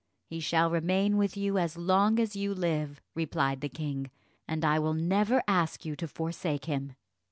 "He shall remain with you as long as you live," replied the king, "and I will never ask you to forsake him."